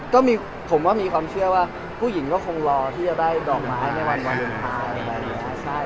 ผมก็มีความเชื่อว่าผู้หญิงก็คงรอที่จะได้ดอกไม้ในวันวันสุดท้าย